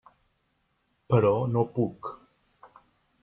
Però no puc.